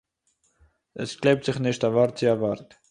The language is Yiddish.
עס קלעפּט זיך ניט אַ וואָרט צו אַ וואָרט.